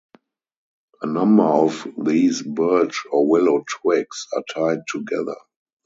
A number of these birch or willow twigs are tied together.